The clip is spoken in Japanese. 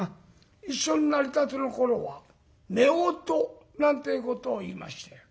一緒になりたての頃は夫婦なんてえことを言いましたよ。